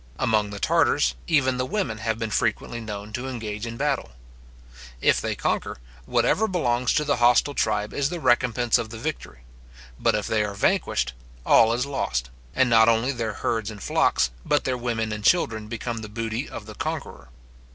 Among the Tartars, even the women have been frequently known to engage in battle. If they conquer, whatever belongs to the hostile tribe is the recompence of the victory; but if they are vanquished, all is lost; and not only their herds and flocks, but their women and children become the booty of the conqueror.